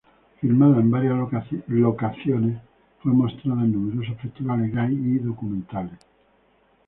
Filmada en varias locaciones, fue mostrada en numerosos festivales gay y documentales.